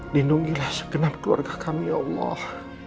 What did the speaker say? lindungilah segenap keluarga kami ya allah